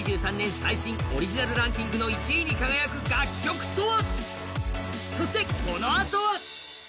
最新オリジナルランキングの１位に輝く楽曲とは。